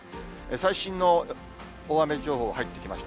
最新の大雨情報が入ってきました。